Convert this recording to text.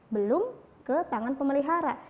belum ke tangan pemelihara